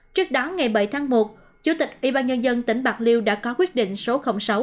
trước đó ngày bảy tháng một chủ tịch ủy ban nhân dân tỉnh bạc liêu đã có quyết định số sáu